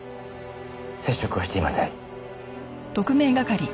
接触はしていません。